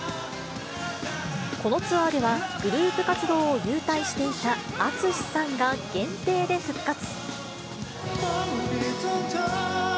このツアーでは、グループ活動を勇退していたＡＴＳＵＳＨＩさんが限定で復活。